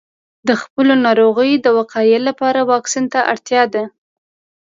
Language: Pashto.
د خپلو ناروغیو د وقایې لپاره واکسین ته اړتیا ده.